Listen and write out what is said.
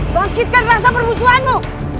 bangkitkan rasa perbusuanmu